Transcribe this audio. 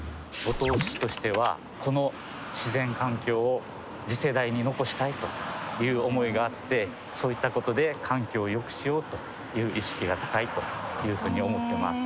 五島市としてはこの自然環境を次世代に残したいという思いがあってそういったことで環境をよくしようという意識が高いというふうに思ってます。